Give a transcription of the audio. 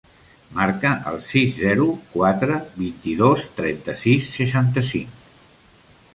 Marca el sis, zero, quatre, vint-i-dos, trenta-sis, seixanta-cinc.